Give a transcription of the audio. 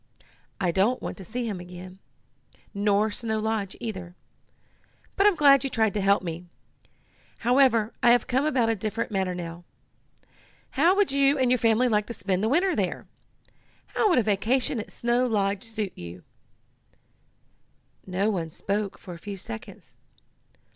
I don't want to see him again, nor Snow Lodge either. But I'm glad you tried to help me. However, I have come about a different matter now. How would you and your family like to spend the winter there? How would a vacation at Snow Lodge suit you?" No one spoke for a few seconds.